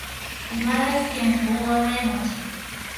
茨城県大洗町